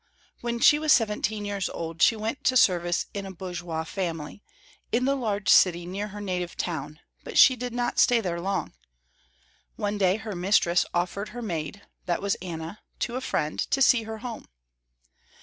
When she was seventeen years old she went to service in a bourgeois family, in the large city near her native town, but she did not stay there long. One day her mistress offered her maid that was Anna to a friend, to see her home.